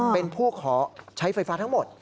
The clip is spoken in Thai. เป็นผู้ขอใช้ไฟฟ้าทั้งหมด